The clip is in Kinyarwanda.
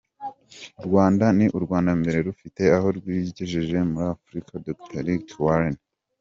U Rwanda ni urwa mbere rufite aho rwigejeje muri Afurika - Dr Rick Warren.